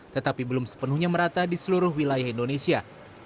tetapi belum sepenuhnya merata di seluruh wilayah indonesia